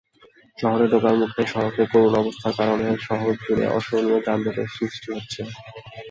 শহরে ঢোকার মুখে সড়কের করুণ অবস্থার কারণে শহরজুড়েই অসহনীয় যানজটের সৃষ্টি হচ্ছে।